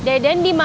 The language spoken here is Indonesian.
kita enter ke kamar